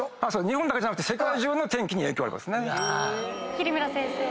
桐村先生。